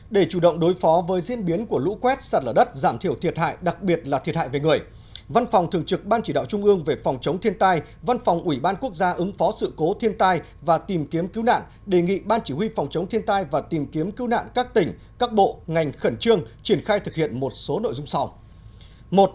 để chủ động đối phó với diễn biến của lũ quét sạt lở đất giảm thiểu thiệt hại đặc biệt là thiệt hại về người văn phòng thường trực ban chỉ đạo trung ương về phòng chống thiên tai văn phòng ủy ban quốc gia ứng phó sự cố thiên tai và tìm kiếm cứu nạn đề nghị ban chỉ huy phòng chống thiên tai và tìm kiếm cứu nạn các tỉnh các bộ ngành khẩn trương triển khai thực hiện một số nội dung sau